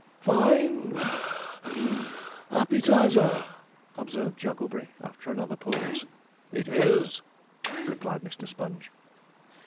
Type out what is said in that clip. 'Fine (puff, wheeze) appetizer,' observed Jogglebury, after another pause. 'It is,' replied Mr. Sponge.